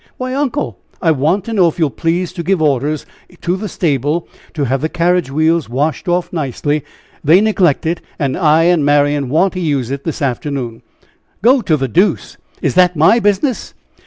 "Why, uncle, I want to know if you'll please to give orders in the stable to have the carriage wheels washed off nicely? They neglect it. And I and Marian want to use it this afternoon." "Go to the deuce! Is that my business?"